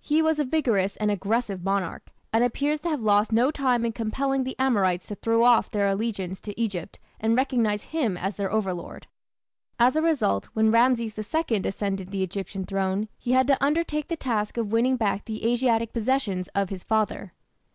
He was a vigorous and aggressive monarch, and appears to have lost no time in compelling the Amorites to throw off their allegiance to Egypt and recognize him as their overlord. As a result, when Rameses II ascended the Egyptian throne he had to undertake the task of winning back the Asiatic possessions of his father.